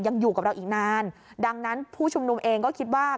ยังอยู่กับเราอีกนานดังนั้นผู้ชุมนุมเองก็คิดว่า